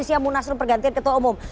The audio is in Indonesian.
lucia munasrum pergantian ketua umum